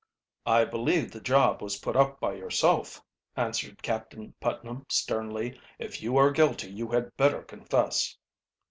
"I believe the job was put up by yourself," answered Captain Putnam sternly. "If you are guilty you had better confess."